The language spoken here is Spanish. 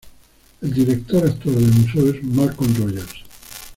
El director actual del museo es Malcolm Rogers.